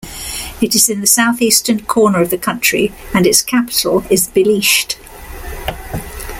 It is in the southeastern corner of the country, and its capital is Bilisht.